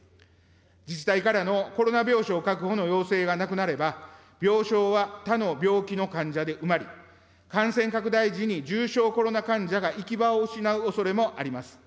自治体からのコロナ病床確保の要請がなくなれば、病床は他の病気の患者で埋まり、感染拡大時に重症コロナ患者が行き場を失うおそれもあります。